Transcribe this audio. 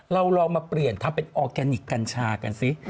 เราลองมาเปลี่ยนทำเป็นออร์แกนิคกัญชากันสิ